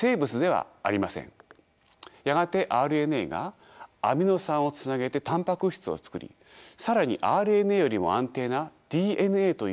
やがてＲＮＡがアミノ酸をつなげてタンパク質を作り更にＲＮＡよりも安定なＤＮＡという物質が加わります。